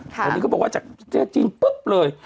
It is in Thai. ตอนนี้เขาบอกว่าจากจีนปุ๊บเลย